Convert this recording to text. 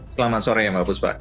selamat sore ya mbak busbak